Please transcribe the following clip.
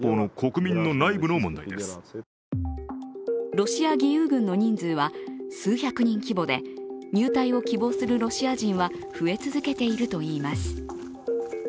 ロシア義勇軍の人数は数百人規模で入隊を希望するロシア人は増え続けているといいます。